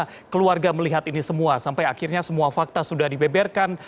bagaimana keluarga melihat ini semua sampai akhirnya semua fakta sudah dibeberkan